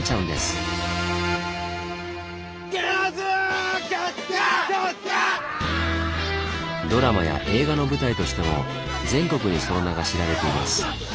ドラマや映画の舞台としても全国にその名が知られています。